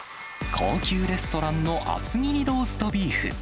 高級レストランの厚切りローストビーフ。